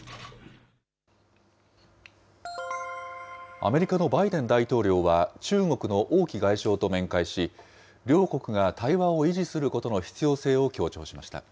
アメリカのバイデン大統領は中国の王毅外相と面会し、両国が対話を維持することの必要性を強調しました。